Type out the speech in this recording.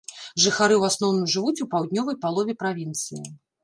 Жыхары ў асноўным жывуць у паўднёвай палове правінцыі.